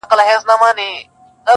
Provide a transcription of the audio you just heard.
د دې قوم نصیب یې کښلی پر مجمر دی،